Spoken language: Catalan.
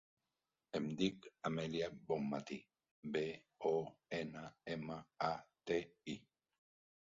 Em dic Amèlia Bonmati: be, o, ena, ema, a, te, i.